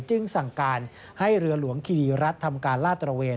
จึงสั่งการให้เรือหลวงคิรีรัฐทำการลาดตระเวน